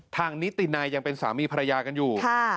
นิตินายยังเป็นสามีภรรยากันอยู่